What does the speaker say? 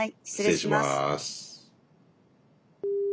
失礼します。